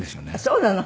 そうなの？